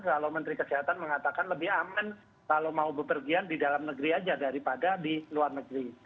kalau menteri kesehatan mengatakan lebih aman kalau mau bepergian di dalam negeri saja daripada di luar negeri